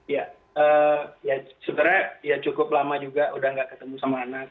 ya sebenarnya ya cukup lama juga udah gak ketemu sama anak